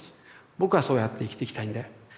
僕はそうやって生きていきたいので。